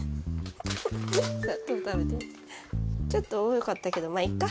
ちょっと多かったけどまいっか。